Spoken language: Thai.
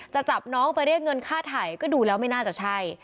จะจับน้องไปเรียกเงินค่าถ่ายก็ดูแล้วไม่น่าจะใช่